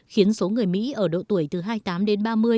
khiến số người mỹ ở độ tuổi từ hai mươi tám đến